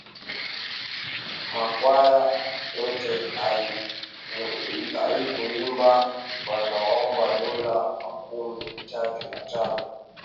Makwaya yote aikuimba wanaombwa dola makumi tatu na tano